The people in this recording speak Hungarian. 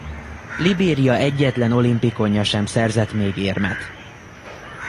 Libéria egyetlen olimpikonja sem szerzett még érmet.